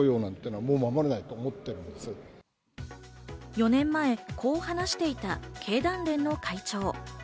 ４年前、こう話していた経団連の会長。